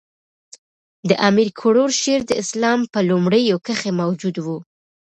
د امیر کروړ شعر د اسلام په لومړیو کښي موجود وو.